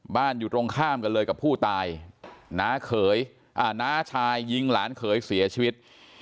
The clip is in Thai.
อยู่ตรงข้ามกันเลยกับผู้ตายน้าเขยน้าชายยิงหลานเขยเสียชีวิต